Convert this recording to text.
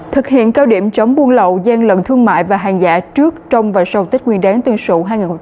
thực hiện cao điểm chống buôn lậu gian lận thương mại và hàng giả trước trong và sau tết nguyên đáng tương sụ hai nghìn hai mươi bốn